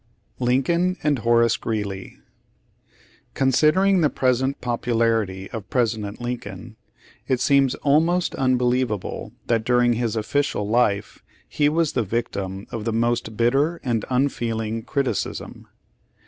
LINCOLN AND HOEACE GREELEY Considering the present popularity of President Lincoln, it seems almost unbelievable that during his official life he was the victim of the most bit ter and unfeeling criticism.